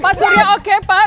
pak surya oke pak